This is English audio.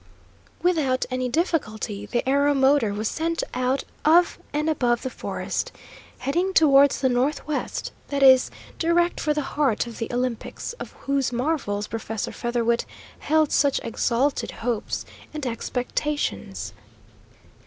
Without any difficulty the aeromotor was sent out of and above the forest, heading towards the northwest; that is, direct for the heart of the Olympics, of whose marvels Professor Featherwit held such exalted hopes and expectations.